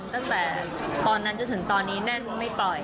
ตั้งแต่ตอนนั้นจนถึงตอนนี้แน่นไม่ปล่อย